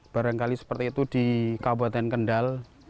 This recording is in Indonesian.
barangkali seperti itu di kabupaten kendal